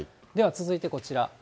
では続いてこちら。